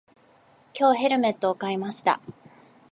今日、ヘルメットを買いました。